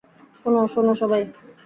শোন, শোন সবাই।